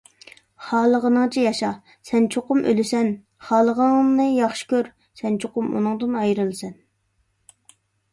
خالىغىنىڭچە ياشا، سەن چوقۇم ئۆلىسەن. خالىغىنىڭنى ياخشى كۆر، سەن چوقۇم ئۇنىڭدىن ئايرىلىسەن.